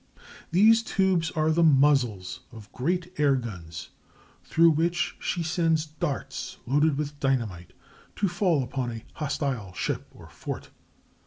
These tubes are the muzzles of great air guns, through which she sends darts loaded with dynamite to fall upon a hostile ship or fort.